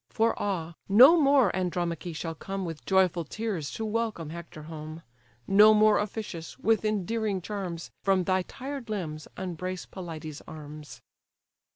For ah! no more Andromache shall come With joyful tears to welcome Hector home; No more officious, with endearing charms, From thy tired limbs unbrace Pelides' arms!"